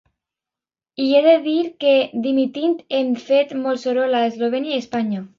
I he de dir que dimitint hem fet molt soroll a Eslovènia i Espanya.